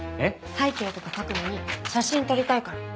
背景とか描くのに写真撮りたいから。